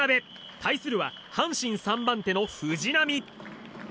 対するは阪神３番手の藤浪。